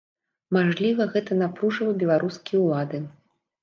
Мажліва, гэта напружыла беларускія ўлады?